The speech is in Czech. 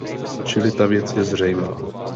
Čili ta věc je zřejmá.